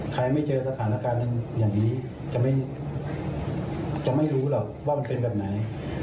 ไม่เจอสถานการณ์อย่างนี้จะไม่รู้หรอกว่ามันเป็นแบบไหน